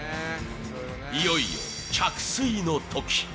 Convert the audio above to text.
いよいよ着水のとき。